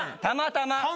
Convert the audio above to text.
たまたま！